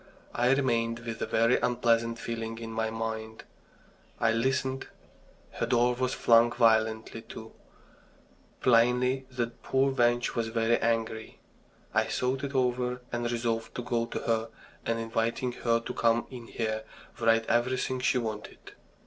I remained with a very unpleasant feeling in my mind. I listened. Her door was flung violently to plainly the poor wench was very angry... I thought it over, and resolved to go to her, and, inviting her to come in here, write everything she wanted.